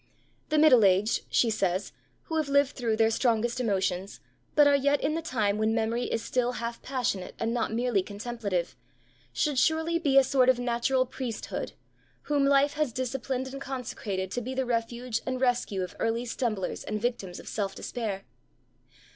'The middle aged,' she says, 'who have lived through their strongest emotions, but are yet in the time when memory is still half passionate and not merely contemplative, should surely be a sort of natural priesthood, whom life has disciplined and consecrated to be the refuge and rescue of early stumblers and victims of self despair.